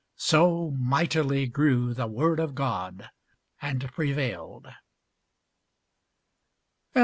So mightily grew the word of God and prevailed.